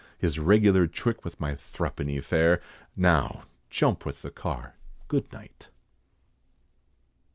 His regular trick with my thruppeny fare, Now jump with the car, good night."